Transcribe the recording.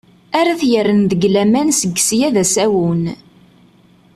Ara t-yerren deg laman seg sya d asawen.